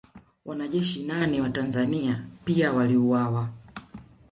Wanajeshi nane wa Tanzania pia waliuawa